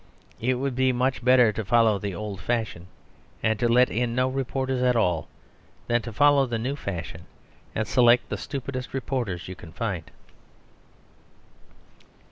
It would be much better to follow the old fashion and let in no reporters at all than to follow the new fashion and select the stupidest reporters you can find.